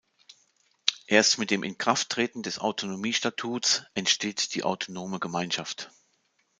Erst mit dem Inkrafttreten des Autonomiestatuts entsteht die Autonome Gemeinschaft.